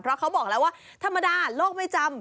เพราะเขาบอกแล้วว่าธรรมดาโลกไม่จำ